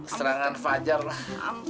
serangan fajar lah